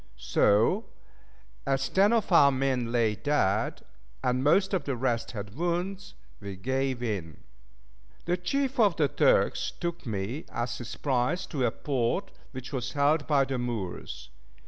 So, as ten of our men lay dead, and most of the rest had wounds, we gave in. The chief of the Turks took me as his prize to a port which was held by the Moors.